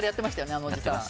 あのおじさん。